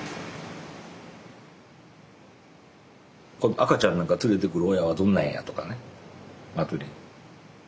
赤ちゃんなんか連れてくる親はどんなんやとかね祭りに。